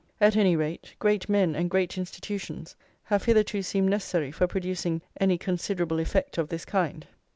At any rate, great men and great institutions have hitherto seemed necessary for producing any considerable effect of this kind.